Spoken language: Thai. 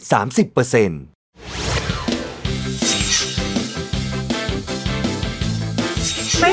สุดท้ายสุดท้ายสุดท้าย